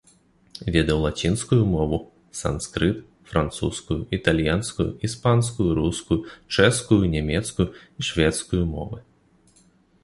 Ведаў лацінскую мову, санскрыт, французскую, італьянскую, іспанскую, рускую, чэшскую, нямецкую і шведскую мовы.